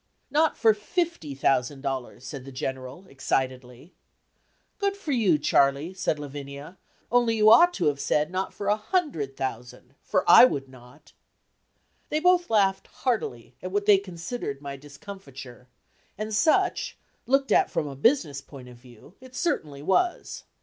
"Not for fifty thousand dollars," said the General, excitedly. "Good for you, Charley," said Lavinia, "only you ought to have said not for a hundred thousand, for I would not!" They both laughed heartily at what they considered my discomfiture, and such, looked at from a business point of view, it certainly was.